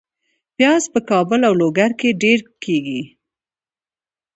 پیاز په کابل او لوګر کې ډیر کیږي